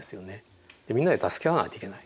みんなで助け合わないといけない。